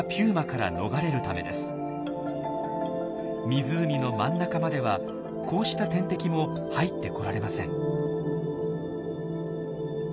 湖の真ん中まではこうした天敵も入ってこられません。